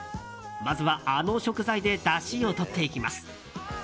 まずは、あの食材でだしをとっていきます。